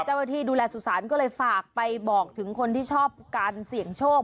เจ้าหน้าที่ดูแลสุสานก็เลยฝากไปบอกถึงคนที่ชอบการเสี่ยงโชค